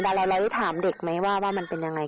รายละไหร่ในที่ถามเด็กมันไ่ว่ามันเกิดอะไร